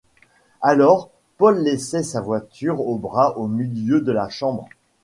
Alors Paul laissait sa voiture à bras au milieu de la chambre.